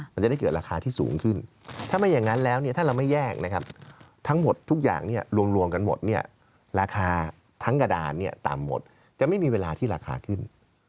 มันจะได้เกิดราคาที่สูงขึ้นถ้าไม่อย่างนั้นแล้วเนี่ยถ้าเราไม่แยกนะครับทั้งหมดทุกอย่างเนี่ยรวมกันหมดเนี่ยราคาทั้งกระดานเนี่ยต่ำหมดจะไม่มีเวลาที่ราคาขึ้น